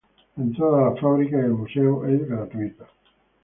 La entrada a la fábrica y el museo es gratuita.